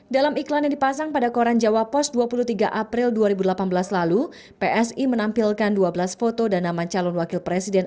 dalam iklan yang dipasang pada koran jawa post dua puluh tiga april dua ribu delapan belas lalu psi menampilkan dua belas foto dan nama calon wakil presiden